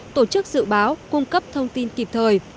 tổ chức dự báo cung cấp thông tin kịp thời